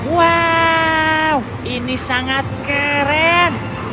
wow ini sangat keren